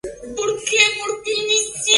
Murió en la ciudad de Ica.